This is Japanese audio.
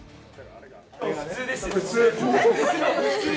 普通ですよ、普通。